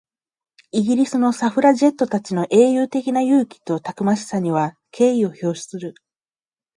イギリスのサフラジェットたちの英雄的な勇気とたくましさには敬意を表する。